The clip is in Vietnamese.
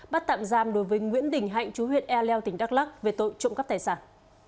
bắt tạm giam đối với nguyễn đình hạnh chú huyện e leo tỉnh đắk lắc về tội trộm cắp tài sản